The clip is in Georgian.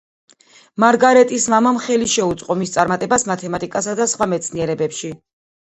მარგარეტის მამამ ხელი შეუწყო მის წარმატებას მათემატიკასა და სხვა მეცნიერებებში.